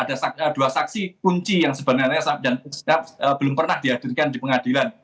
ada dua saksi kunci yang sebenarnya belum pernah dihadirkan di pengadilan